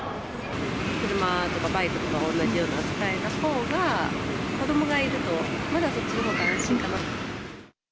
車とかバイクとかと同じような扱いのほうが、子どもがいると、まだそっちのほうが安心かな。